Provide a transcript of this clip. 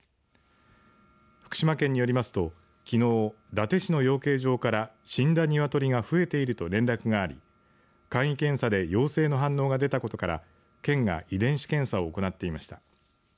福島県によりますときのう、伊達市の養鶏場から死んだ鶏が増えていると連絡があり簡易検査で陽性の反応が出たことから県が遺伝子検査を行っていました。